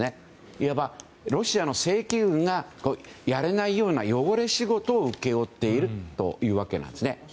いわば、ロシアの正規軍がやれないような汚れ仕事を請け負っているわけなんです。